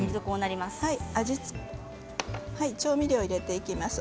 調味料を入れていきます。